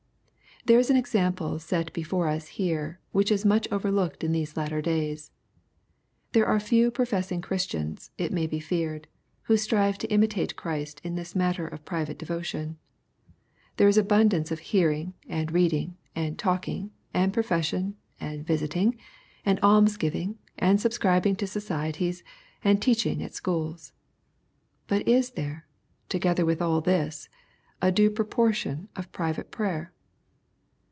There is an example set before us here, which is much overlooked in these latter days. There are few professing , Christians, it may be feared, who strive to imitate Christ in this matter of private devotion. There is abundance of he aring ^ and reading, and talking, and profession, and visiting, and almsgiving, and subscribiifg to societies, and teaching at schools. But is there, together with aU this, a due proportion of private prayer